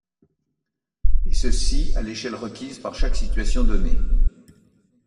Et ceci à l'échelle requise par chaque situation donnée.